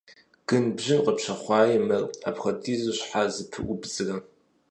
Гынбжьын къыпщыхъуаи мыр, апхуэдизу щхьэ зыпыӀубдзрэ?